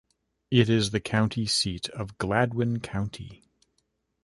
It is the county seat of Gladwin County.